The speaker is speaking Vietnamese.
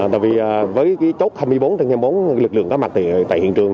tại vì với chốt hai mươi bốn trên hai mươi bốn lực lượng có mặt tại hiện trường